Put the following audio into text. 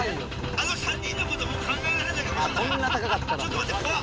あの３人のこともう考えられないかもしれないちょっと待って怖っ！